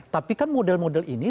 tapi kan model model ini